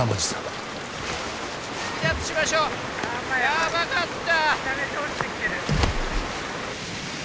やばかった！